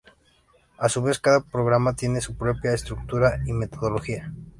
A su vez, cada programa tiene su propia estructura y metodología.